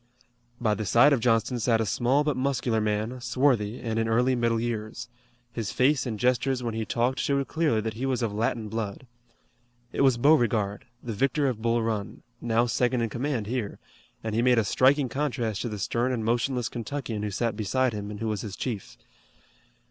By the side of Johnston sat a small but muscular man, swarthy, and in early middle years. His face and gestures when he talked showed clearly that he was of Latin blood. It was Beauregard, the victor of Bull Run, now second in command here, and he made a striking contrast to the stern and motionless Kentuckian who sat beside him and who was his chief.